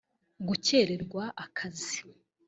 gukererwa akazi